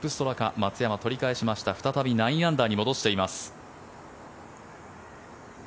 松山、取り返しました再び９アンダーに戻しています。